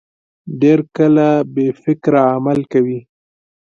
ډېر کله بې فکره عمل کوي.